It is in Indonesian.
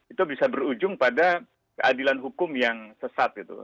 itu bisa berujung pada keadilan hukum yang sesat gitu